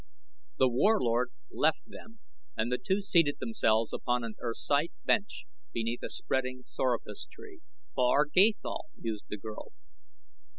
The Warlord left them and the two seated themselves upon an ersite bench beneath a spreading sorapus tree. "Far Gathol," mused the girl.